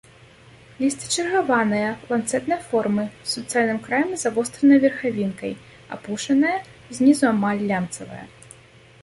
Лісце чаргаванае, ланцэтнай формы, з суцэльным краем і завостранай верхавінкай, апушанае, знізу амаль лямцавае.